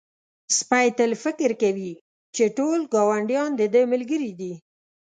سپی تل فکر کوي چې ټول ګاونډیان د ده ملګري دي.